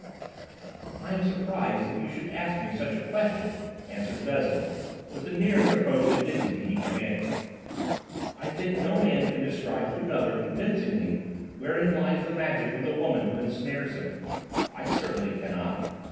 "I am surprised that you should ask me such a question," answered Vezin, with the nearest approach to dignity he could manage. "I think no man can describe to another convincingly wherein lies the magic of the woman who ensnares him. I certainly cannot.